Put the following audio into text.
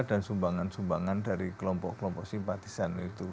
dan sumbangan sumbangan dari kelompok kelompok simpatisan itu